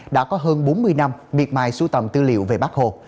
đã có hơn bốn mươi năm miệt mài sưu tầm tư liệu về bác hồ